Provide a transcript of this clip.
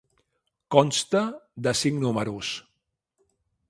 Consta de cinc números.